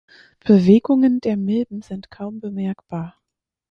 Bewegungen der Milben sind kaum bemerkbar.